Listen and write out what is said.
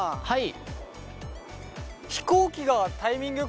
はい。